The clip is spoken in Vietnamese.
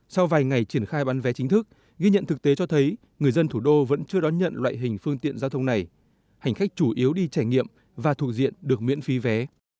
sau vài ngày triển khai bán vé chính thức ghi nhận thực tế cho thấy người dân thủ đô vẫn chưa đón nhận loại hình phương tiện giao thông này hành khách chủ yếu đi trải nghiệm và thuộc diện được miễn phí vé